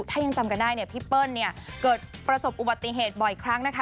ถ้ายังจำกันได้เนี่ยพี่เปิ้ลเนี่ยเกิดประสบอุบัติเหตุบ่อยครั้งนะคะ